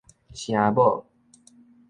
聲母